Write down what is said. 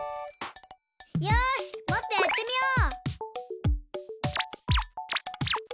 よしもっとやってみよう！